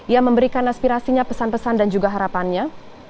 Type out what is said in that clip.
yang memberikan aspirasinya pesan pesan dan juga harapannya